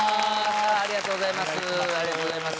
ありがとうございます。